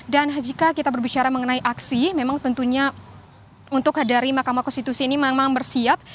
dan jika kita berbicara mengenai aksi memang tentunya untuk hadari mahkamah konstitusi ini memang bersiap